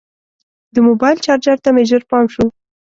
د موبایل چارجر ته مې ژر پام شو.